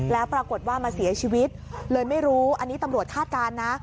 แล้วปรากฏว่ามาเสียชีวิตเลยไม่รู้อันนี้ตำรวจคาดการณ์นะ